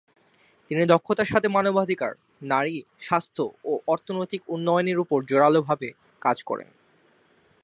তিনি দক্ষতার সাথে মানবাধিকার, নারী, স্বাস্থ্য ও অর্থনৈতিক উন্নয়নের উপর জোরালোভাবে কাজ করেন।